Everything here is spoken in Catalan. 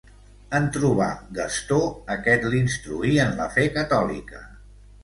En trobar Gastó, aquest l'instruí en la fe catòlica.